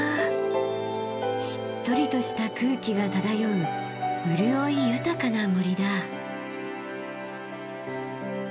しっとりとした空気が漂う潤い豊かな森だ。